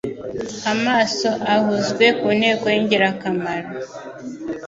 Amaso ahauzwe ku ntego y'ingirakamaro,